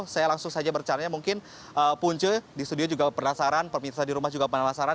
saya langsung saja bercarinya mungkin punca di studio juga penasaran pemirsa di rumah juga penasaran